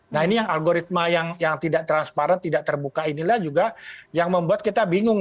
nah ini yang algoritma yang tidak transparan tidak terbuka inilah juga yang membuat kita bingung